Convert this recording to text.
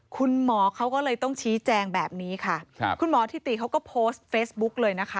คุณหมอเขาก็เลยต้องชี้แจงแบบนี้ค่ะครับคุณหมอทิติเขาก็โพสต์เฟซบุ๊กเลยนะคะ